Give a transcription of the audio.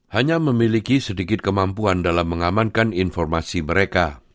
hanya memiliki sedikit kemampuan dalam mengamankan informasi mereka